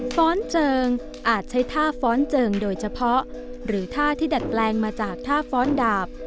ฟ้อนเจิงอาจใช้ท่าฟ้อนเจิงโดยเฉพาะหรือท่าที่ดัดแปลงมาจากท่าฟ้อนดาบ